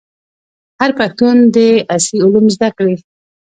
هر پښتون دي عصري علوم زده کړي.